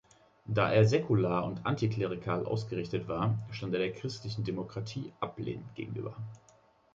Da er säkular und anti-klerikal ausgerichtet war, stand er der christlichen Demokratie ablehnend gegenüber.